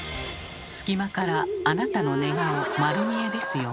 隙間からあなたの寝顔丸見えですよ。